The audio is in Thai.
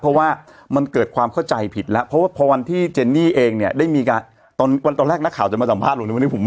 เพราะว่ามันเกิดความเข้าใจผิดละเพราะว่าพอวันที่เจนนี่เองเนี่ยได้มีการ